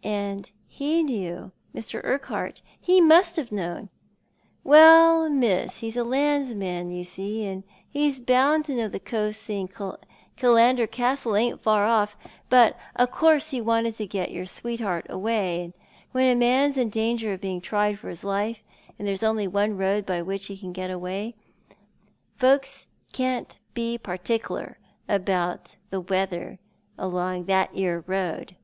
" And he knew — Mr. Urquhart ! He must have known." "Well, Miss, he's a landsman, you see — though he's bound to know the coast, seeing Killander Castle ain't far off. But o' course he wanted to get your sweetheart away — when a man's in danger of bein' tried for his life, and there's only one road by which he can get away, folks can't be partikler about the weather along that ere road."